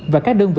và các đơn vị